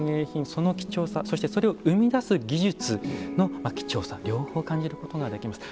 その貴重さ、それを生み出す技術の貴重さ両方感じることができました。